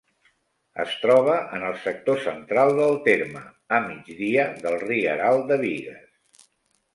Es troba en el sector central del terme, a migdia del Rieral de Bigues.